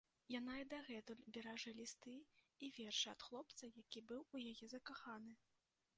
Яна і дагэтуль беражэ лісты і вершы ад хлопца, які быў у яе закаханы.